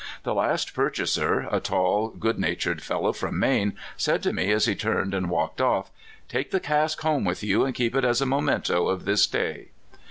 The last purchaser, a tall, good natured fellow froit. Elaine, said to me as he turned and walked c ff— "Take the cask home with you, and keep it as n niemicnto of this day."